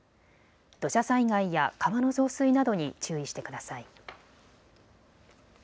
土砂災害や川の増水などに注意してください。